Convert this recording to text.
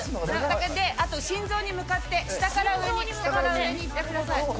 それで、あと心臓に向かって、下から上に、下から上にやってください。